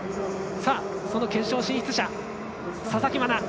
決勝進出者、佐々木真菜。